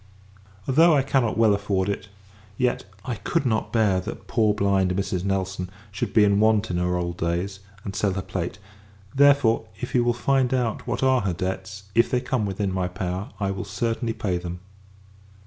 Although I cannot well afford it, yet I could not bear that poor blind Mrs. Nelson should be in want in her old days, and sell her plate; therefore, if you will find out what are her debts, if they come within my power, I will certainly pay them.